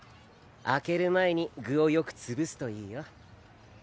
開ける前に具をよく潰すといいよ。